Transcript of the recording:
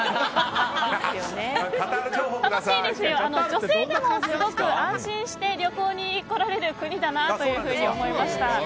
女性でも、すごく安心して旅行に来られる国だなというふうに思いました。